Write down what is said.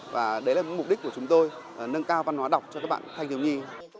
và đấy là mục đích của chúng tôi nâng cao văn hóa đọc cho các bạn thành hiểu nhi